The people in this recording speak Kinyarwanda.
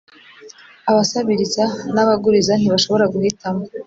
abasabiriza n'abaguriza ntibashobora guhitamo